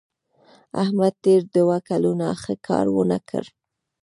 احمد تېر دوه کلونه ښه کار ونه کړ.